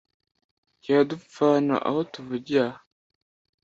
Yadupfana aho tuvugiye aha,